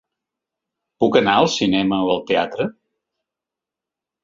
Puc anar al cinema o al teatre?